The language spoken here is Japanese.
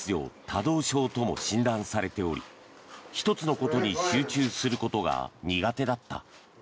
・多動症とも診断されており１つのことに集中することが苦手だった。